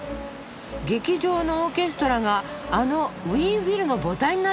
劇場のオーケストラがあのウィーン・フィルの母体になっている。